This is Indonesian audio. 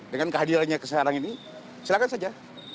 dengan kehadirannya keseluruhan ini silakan saja